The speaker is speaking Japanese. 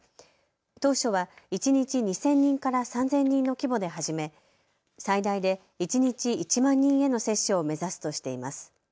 当初は一日２０００人から３０００人の規模で始め最大で一日１万人への接種を目指すとしています。